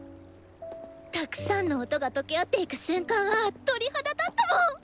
たくさんの音が溶け合っていく瞬間は鳥肌立ったもん！